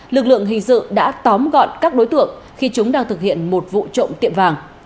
lực lượng hình sự đã tóm gọn các đối tượng khi chúng đang thực hiện một vụ trộm tiệm vàng